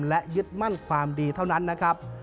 และยึดมั่นความดีเท่านั้นนะครับ